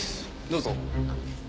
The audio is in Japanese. どうぞ。